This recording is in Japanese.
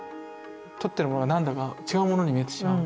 撮ってるものがなんだか違うものに見えてしまう。